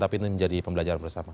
tapi ini menjadi pembelajaran bersama